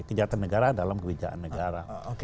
kejahatan negara dalam kebijakan negara